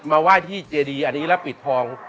มาไหว้ที่เจดีอันนี้แล้วปิดทอง